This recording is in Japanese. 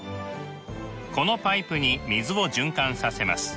このパイプに水を循環させます。